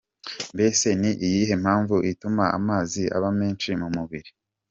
Mbese ni iyihe mpamvu ituma amazi aba menshi mu mubiri?.